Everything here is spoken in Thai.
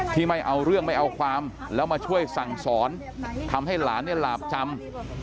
ไม่เอาเรื่องไม่เอาความแล้วมาช่วยสั่งสอนทำให้หลานเนี่ยหลาบจำ